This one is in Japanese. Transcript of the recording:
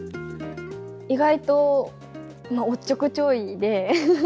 意外とおっちょこちょいで。